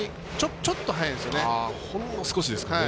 ちょっと早いんですよね。